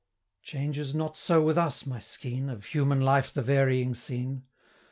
105 Changes not so with us, my Skene, Of human life the varying scene?